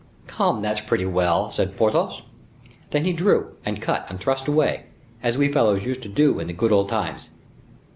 "Come, that's pretty well," said Porthos. "Then he drew, and cut and thrust away, as we fellows used to do in the good old times."